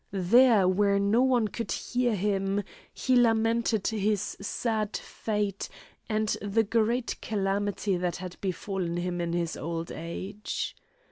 There, where no one could hear him, he lamented his sad fate, and the great calamity that had befallen him in his old age.